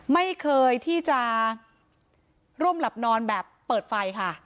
ไม่เคยที่จะร่วมหลับนอนแบบเปิดไฟค่ะ